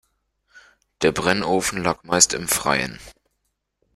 Der Brennofen lag meist im Freien.